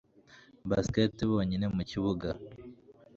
basket bonyine mukibuga